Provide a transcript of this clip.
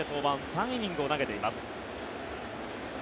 ３イニングを投げています。